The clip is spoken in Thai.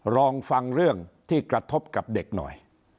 ลองฟังเรื่องที่กระทบกับเด็กหน่อย